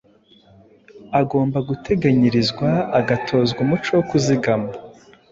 Agomba guteganyirizwa, agatozwa umuco wo kuzigama,